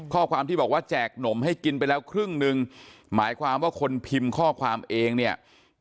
ข้อความที่บอกว่าแจกหนมให้กินไปแล้วครึ่งหนึ่งหมายความว่าคนพิมพ์ข้อความเองเนี่ย